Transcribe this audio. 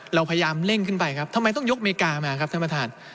เราพยายามเร่งขึ้นไปครับทำไมต้องยกอเมริกามาครับท่านประธาน